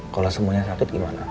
kalau semuanya sakit gimana